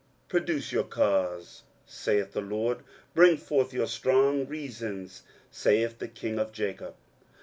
23:041:021 Produce your cause, saith the LORD; bring forth your strong reasons, saith the King of Jacob.